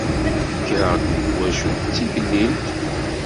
Kkreɣ-d deg twacult d tigellilt.